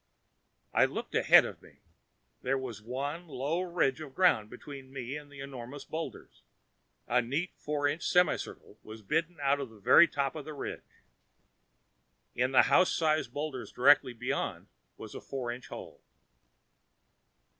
I looked ahead of me. There was one low ridge of ground between me and the enormous boulders. A neat four inch semicircle was bitten out of the very top of the ridge. In the house sized boulder directly beyond was a four inch hole.